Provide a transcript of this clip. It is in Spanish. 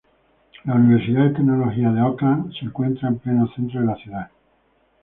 La Universidad de Tecnología de Auckland se encuentra en pleno centro de la ciudad.